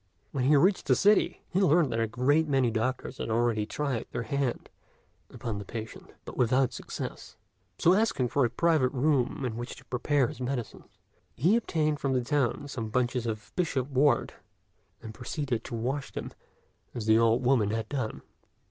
When he reached the city, he learned that a great many doctors had already tried their hand upon the patient, but without success; so asking for a private room in which to prepare his medicines, he obtained from the town some bunches of bishop wort, and proceeded to wash them as the old woman had done.